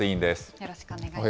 よろしくお願いします。